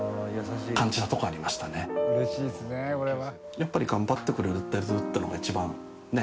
やっぱり頑張ってくれているっていうのが一番ね